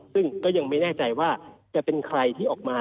ซึ่งก็ยังไม่แน่ใจว่าจะเป็นใครที่ออกมา